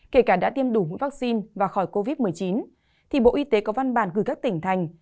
kể cả đã tiêm đủ vaccine và khỏi covid một mươi chín thì bộ y tế có văn bản gửi các tỉnh thành